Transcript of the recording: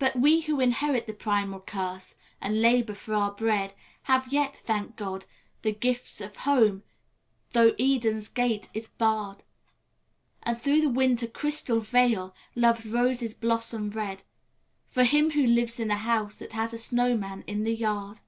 But we who inherit the primal curse, and labour for our bread, Have yet, thank God, the gift of Home, though Eden's gate is barred: And through the Winter's crystal veil, Love's roses blossom red, For him who lives in a house that has a snowman in the yard.